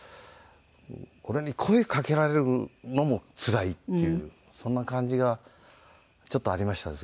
俺に声かけられるのもつらいっていうそんな感じがちょっとありましたですね。